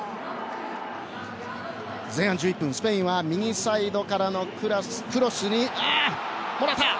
前半１１分、スペインは右サイドからのクロスにモラタ。